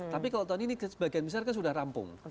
tapi kalau tahun ini sebagian besar kan sudah rampung